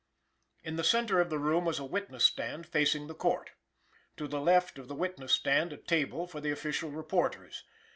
In the centre of the room was a witness stand facing the Court. To the left of the witness stand a table for the official reporters.